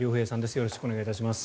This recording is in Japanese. よろしくお願いします。